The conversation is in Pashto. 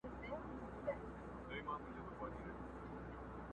بيزو وان ويل بيزو ته په خندا سه٫